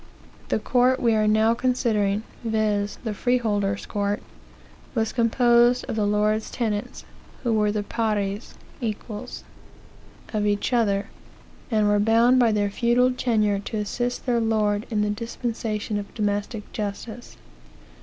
The court we are now considering, viz., the freeholders court, was composed of the lord's tenants, who were the pares (equals) of each other, and were bound by their feudal tenure to assist their lord in the dispensation of domestic justice.